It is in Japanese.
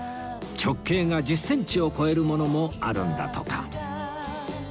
直径が１０センチを超えるものもあるんだとか